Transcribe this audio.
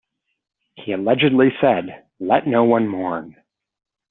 He allegedly said, Let no one mourn.